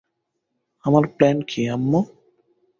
আমার প্ল্যান কী, আম্মু?